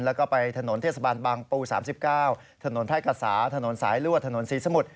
แล้วก็ไปถนนเทศบาลบางปู๓๙ถนนแพร่กษาถนนสายลวดถนนศรีสมุทร